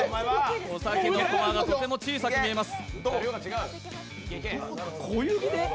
お酒がとても小さく見えます。